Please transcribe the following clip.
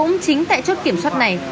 cũng chính tại chốt kiểm soát này